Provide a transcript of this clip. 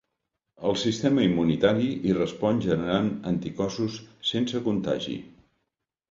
El sistema immunitari hi respon generant anticossos sense contagi.